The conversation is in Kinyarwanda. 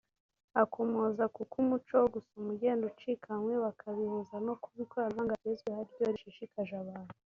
Akomoza ku kuba umuco wo gusoma ugenda ucika bamwe bakabihuza no kuba ikoranabuhanga rigezweho ari ryo rishishkaje abantu